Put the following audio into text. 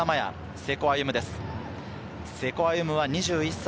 瀬古歩夢は２１歳。